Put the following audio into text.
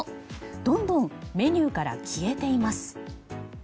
どんどんメニューから消えています。